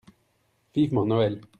Vivement Noël !